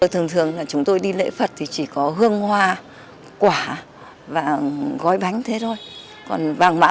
thường thường là chúng tôi đi lễ phật thì chỉ có hương hoa quả và gói bánh thế thôi còn vàng mã